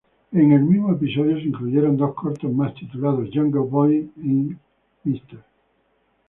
En el mismo episodio se incluyeron dos cortos más, titulados "Jungle Boy in "Mr.